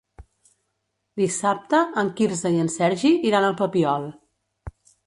Dissabte en Quirze i en Sergi iran al Papiol.